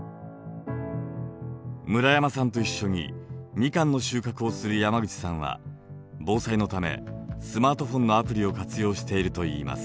村山さんと一緒にミカンの収穫をする山口さんは防災のためスマートフォンのアプリを活用しているといいます。